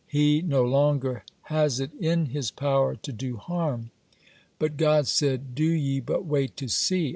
He no longer has it in His power to do harm." But God said: "Do ye but wait to see.